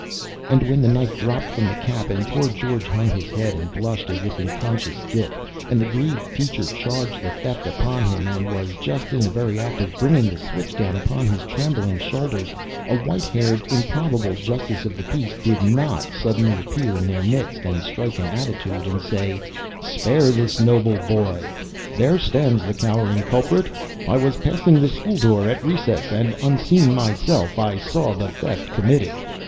And when the knife dropped from the cap, and poor George hung his head and blushed, as if in conscious guilt, and the grieved teacher charged the theft upon him, and was just in the very act of bringing the switch down upon his trembling shoulders, a white haired, improbable justice of the peace did not suddenly appear in their midst, and strike an attitude and say, "Spare this noble boy there stands the cowering culprit! I was passing the school door at recess, and, unseen myself, I saw the theft committed!"